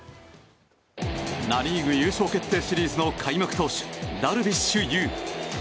ナ・リーグ優勝決定シリーズの開幕投手、ダルビッシュ有。